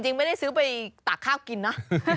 จริงไม่ได้ซื้อไปตากข้าวกินนะ